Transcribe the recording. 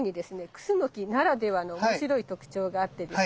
クスノキならではの面白い特徴があってですね